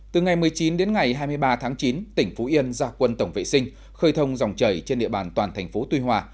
từ ngày một mươi chín đến ngày hai mươi ba tháng chín tỉnh phú yên ra quân tổng vệ sinh khơi thông dòng chảy trên địa bàn toàn thành phố tuy hòa